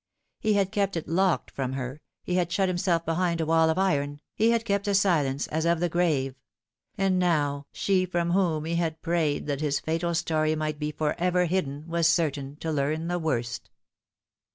He had kept it locked from her, he had shut himself behind a wall of iron, he had kept a silence as of the grave ; and now she from whom he had prayed that his fatal etory might be for ever hidden was certain to learn the worst.